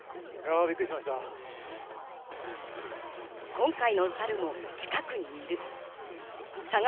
今回のサルも近くにいる。